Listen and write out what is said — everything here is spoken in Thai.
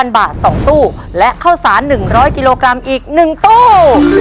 ๐บาท๒ตู้และข้าวสาร๑๐๐กิโลกรัมอีก๑ตู้